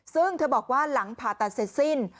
ซึ่งเธอบอกว่าหลังผ่าตัดเสร็จสิ้น